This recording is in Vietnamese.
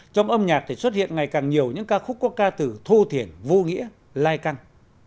trong âm nhạc thì xuất hiện ngày càng nhiều những ca khúc có ca từ thô thiển vô nghĩa lai căng